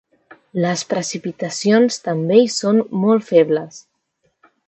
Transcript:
Les precipitacions també hi són molt febles.